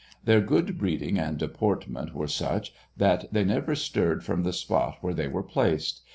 Their good breeding and deportment were such that they never stirred from the spot where they were placed.